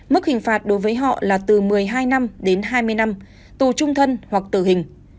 mức hình phạt đối với họ là từ một mươi hai năm đến hai mươi năm tù trung thân hoặc tử hình